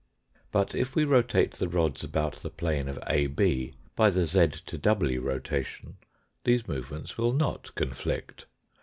But if we rotate the rods about the plane of AB by the z to w rotation these move ments will not conflict.